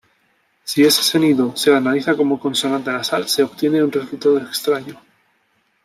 Si ese sonido se analiza como consonante nasal, se obtiene un resultado extraño.